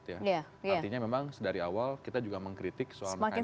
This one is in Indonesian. artinya memang dari awal kita juga mengkritik soal mekanisme